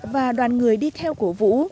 và đoàn người đi theo cổ vũ